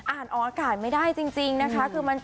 ออกอากาศไม่ได้จริงนะคะ